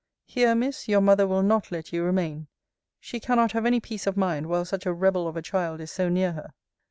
Here, Miss, your mother will not let you remain: she cannot have any peace of mind while such a rebel of a child is so near her.